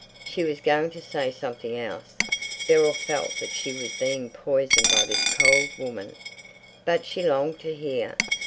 She was going to say something else. Beryl felt that she was being poisoned by this cold woman, but she longed to hear.